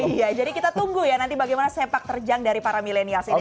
iya jadi kita tunggu ya nanti bagaimana sepak terjang dari para milenials ini